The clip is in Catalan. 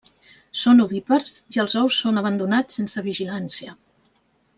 Són ovípars i els ous són abandonats sense vigilància.